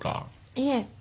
いえ。